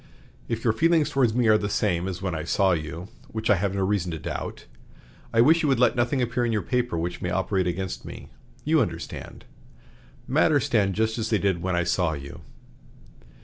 If your feelings toward me are the same as when I saw you (which I have no reason to doubt), I wish you would let nothing appear in your paper which may operate against me. You understand. Matters stand just as they did when I saw you.